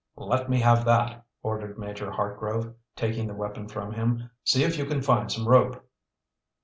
"Let me have that," ordered Major Hartgrove, taking the weapon from him. "See if you can find some rope!"